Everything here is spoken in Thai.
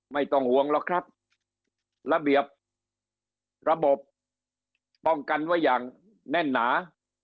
ไม่ต้องห่วงหรอกครับระเบียบระบบป้องกันไว้อย่างแน่นหนา